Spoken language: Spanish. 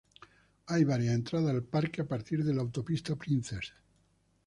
Hay varias entradas al parque a partir de la Autopista Princess.